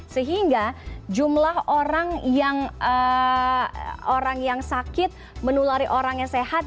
sehingga jumlah orang yang sakit menulari orang yang sehat